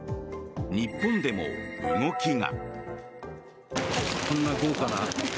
日本でも動きが。